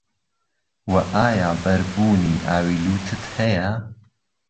وه ئایا بەربوونی ئاوی لوتت هەیە؟